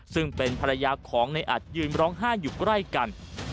ซึ่งเป็นภรรยาของในอัดยืนร้องไห้อยู่ใกล้กัน